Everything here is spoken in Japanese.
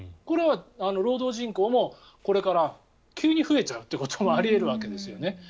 これは労働人口もこれから急に増えちゃうということもあり得るわけですよね。